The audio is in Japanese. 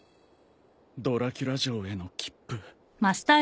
ドラキュラ城への切符。